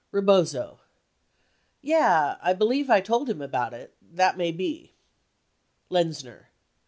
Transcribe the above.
Eebozo. Yeah; I believe I told him about it that may be. Lenzner.